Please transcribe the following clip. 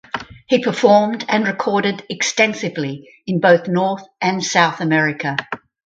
He performed and recorded extensively in both North and South America.